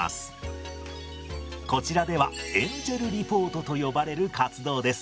こちらではエンジェルリポートと呼ばれる活動です。